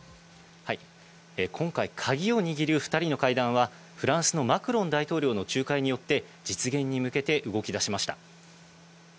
今回、カギを握る２人の会談はフランスのマクロン大統領の仲介によって実現に向けて動き出しました。